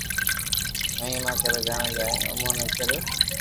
مھيما ڪري جڻي جائين امو ڪوئي ڪريو